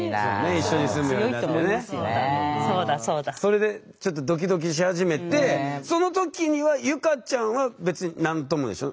それでちょっとドキドキし始めてその時には結香ちゃんは別に何ともでしょ？